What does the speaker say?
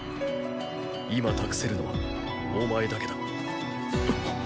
今託せるのはお前だけだ。！